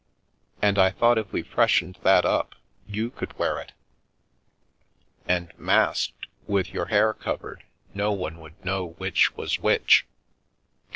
And I thought if we freshened that up you could wear it; and masked, with your hair covered, no one would know which was which.